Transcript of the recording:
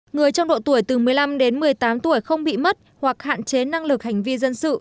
người trong độ tuổi từ một mươi năm đến một mươi tám tuổi không bị mất hoặc hạn chế năng lực hành vi dân sự